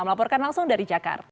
melaporkan langsung dari jakarta